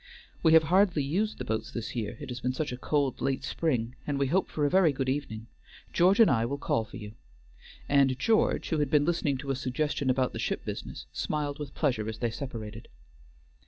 "We have hardly used the boats this year, it has been such a cold, late spring, and we hope for a very good evening. George and I will call for you," and George, who had been listening to a suggestion about the ship business, smiled with pleasure as they separated.